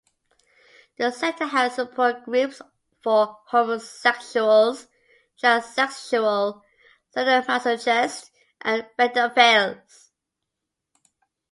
The center had support groups for homosexuals, transsexuals, sadomasochists and pedophiles.